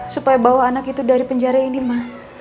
supaya bawa anak itu dari penjara ini mah